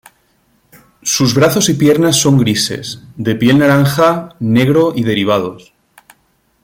Sus brazos y piernas son grises, de piel naranja negro y derivados.